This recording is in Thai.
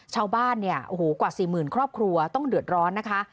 ชาวบ้านเนี่ยโอ้โหกว่าสี่หมื่นครอบครัวต้องเดือดร้อนนะคะ